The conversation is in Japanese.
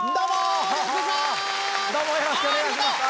よろしくお願いします！